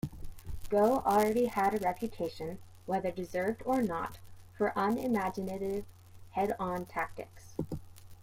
Gough already had a reputation, whether deserved or not, for unimaginative head-on tactics.